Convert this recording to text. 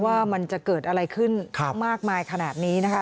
ว่ามันจะเกิดอะไรขึ้นมากมายขนาดนี้นะคะ